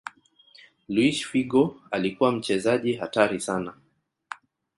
luis figo alikuwa mchezaji hatari sana